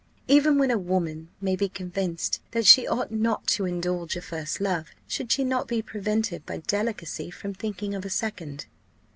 Even when a woman may be convinced that she ought not to indulge a first love, should she not be prevented by delicacy from thinking of a second?"